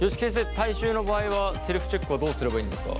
体臭の場合はセルフチェックはどうすればいいんですか？